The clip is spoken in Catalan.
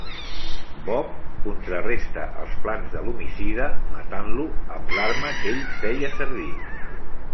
Bob contraresta els plans de l'homicida matant-lo amb l'arma que ell feia servir.